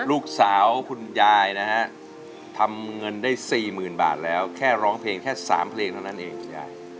ลูกสาวคุณยายนะฮะทำเงินได้๔๐๐๐บาทแล้วแค่ร้องเพลงแค่๓เพลงเท่านั้นเองคุณยาย